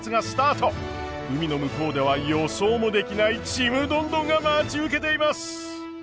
海の向こうでは予想もできないちむどんどんが待ち受けています。